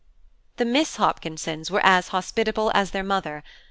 The Miss Hopkinsons were as hospitable as their mother.